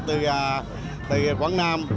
từ quảng nam